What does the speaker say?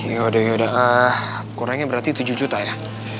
yaudah yaudah kurangnya berarti tujuh juta ya